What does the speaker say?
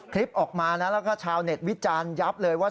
คลิปออกมานะแล้วก็ชาวเน็ตวิจารณ์ยับเลยว่า